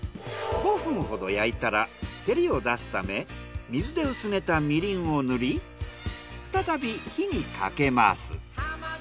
５分ほど焼いたら照りを出すため水で薄めたみりんを塗り再び火にかけます。